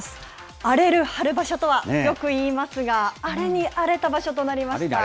荒れる春場所とはよく言いますが荒れに荒れた場所となりました。